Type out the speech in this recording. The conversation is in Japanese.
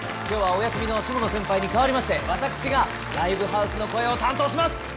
今日はお休みの下野先輩に代わりまして、私がライブハウスの声を担当します。